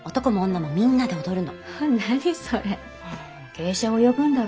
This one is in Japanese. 芸者を呼ぶんだろ？